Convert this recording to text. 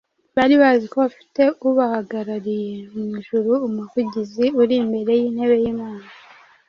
Bari bazi ko bafite Ubahagarariye mu ijuru, Umuvugizi uri imbere y’intebe y’Imana.